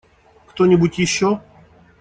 Кто-нибудь еще?